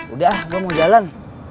udah gue mau jalan